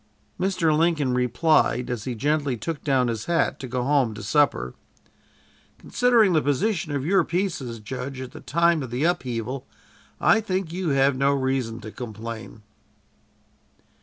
Mr. Lincoln replied, as he gently took down his hat to go home to supper: "Considering the position of your pieces, judge, at the time of the upheaval, I think you have no reason to complain."